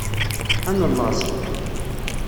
Ad nellaẓ.